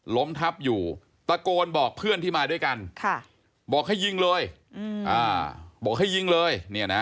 ล้มทับอยู่ตะโกนบอกเพื่อนที่มาด้วยกันบอกให้ยิงเลยบอกให้ยิงเลย